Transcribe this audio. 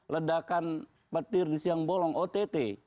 ledakan petir di siang bolong ott